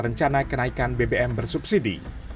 rencana kenaikan bbm bersubsidi